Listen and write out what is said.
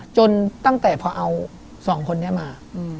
จนตั้งแต่พอเอาสองคนเนี่ยมา